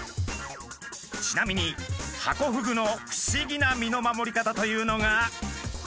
ちなみにハコフグの不思議な身の守り方というのが。